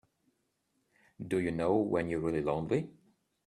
Do you know when you're really lonely?